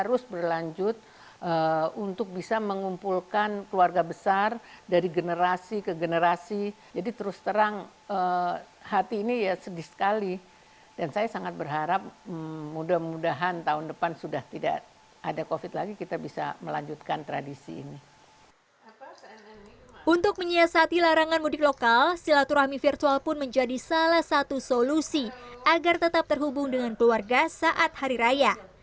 untuk menyiasati larangan mudik lokal silaturahmi virtual pun menjadi salah satu solusi agar tetap terhubung dengan keluarga saat hari raya